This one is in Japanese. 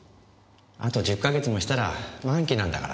あと１０か月もしたら満期なんだから。